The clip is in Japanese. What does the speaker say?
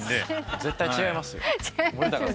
絶対違いますよ。